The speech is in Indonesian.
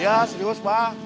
iya serius pak